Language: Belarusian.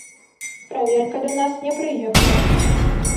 Праверка да нас не прыехала.